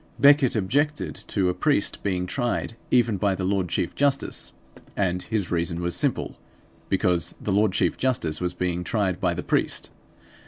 Becket objected to a priest being tried even by the Lord Chief Justice. And his reason was simple: because the Lord Chief Justice was being tried by the priest.